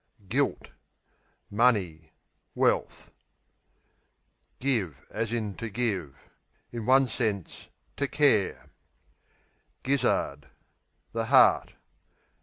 Gilt Money; wealth. Give, to In one sense, to care. Gizzard The heart.